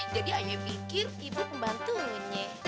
jadi ayah bikin ibu pembantunya